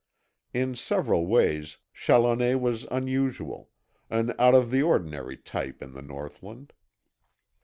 In several ways Challoner was unusual, an out of the ordinary type in the northland.